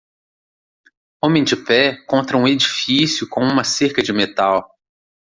Homem de pé contra um edifício com uma cerca de metal.